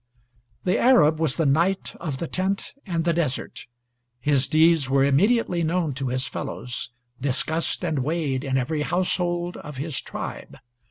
The Arab was the knight of the tent and the desert. His deeds were immediately known to his fellows; discussed and weighed in every household of his tribe.